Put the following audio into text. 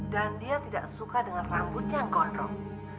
dan dia tidak suka dengan rambut yang gondrong